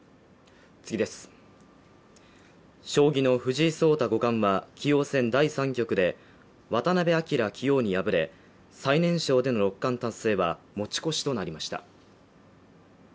将棋の藤井聡太五冠は棋王戦第３局で渡辺明棋王に敗れ最年少での六冠達成は持ち越しとなりました。